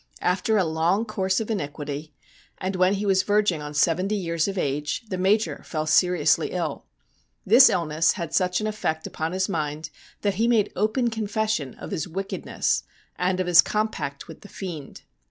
After a long course of iniquity, and when he was verging on seventy years of ago, tho Major fell seriously ill. This illness had such an effect upon his mind that he made open confession of his wicked ness and of his compact with the Fiend.